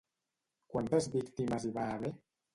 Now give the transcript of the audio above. Quantes víctimes hi va haver?